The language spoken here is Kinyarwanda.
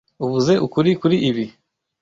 Uvuze ukuri kuri ibi.